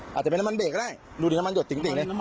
อาจจะเป็นน้ำมันเบรกก็ได้ดูดิน้ำมันหดจริงเลย